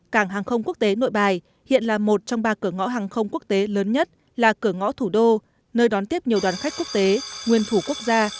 cảng hàng không quốc tế nội bài hiện là một trong ba cửa ngõ hàng không quốc tế lớn nhất là cửa ngõ thủ đô nơi đón tiếp nhiều đoàn khách quốc tế nguyên thủ quốc gia